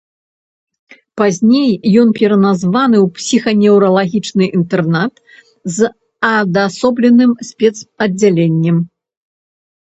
Пазней ён пераназваны ў псіханеўралагічны інтэрнат з адасобленым спецаддзяленнем.